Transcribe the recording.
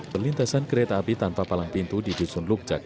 pelintasan kereta api tanpa palang pintu di dusun lukcak